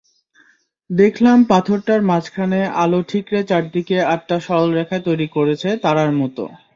দেখলাম পাথরটার মাঝখানে আলো ঠিকরে চারদিকে আটটা সরলরেখা তৈরি করেছে, তারার মতো।